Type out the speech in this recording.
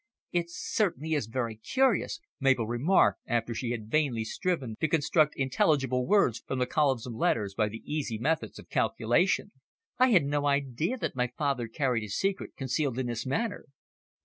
"It certainly is very curious," Mabel remarked after she had vainly striven to construct intelligible words from the columns of letters by the easy methods of calculation. "I had no idea that my father carried his secret concealed in this manner."